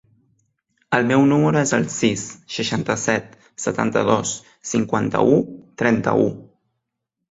El meu número es el sis, seixanta-set, setanta-dos, cinquanta-u, trenta-u.